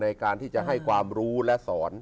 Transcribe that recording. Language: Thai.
ในการที่จะให้ความรู้และสอน